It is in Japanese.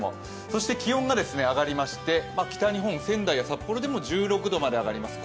そして気温が上がりまして北日本、仙台や札幌でも１６度まで上がります。